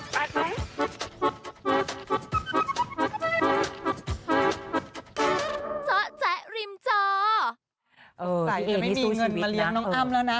ใสจะไม่มีเงินมาเลี้ยงน้องอ้ำแล้วนะ